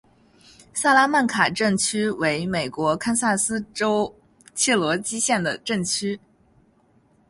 萨拉曼卡镇区为美国堪萨斯州切罗基县的镇区。